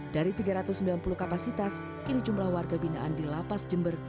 dari tiga ratus sembilan puluh kapasitas kini jumlah warga binaan di lapas jember